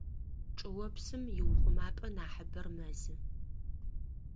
Чӏыопсым иухъумапӏэ инахьыбэр мэзы.